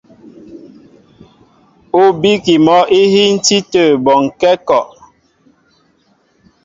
Ú bíkí mɔ́ íhíntí tə̂ bɔnkɛ́ a kɔ.